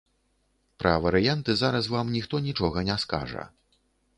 Пра варыянты зараз вам ніхто нічога не скажа.